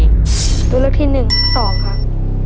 แล้วเลขที่หนึ่งตอบครับ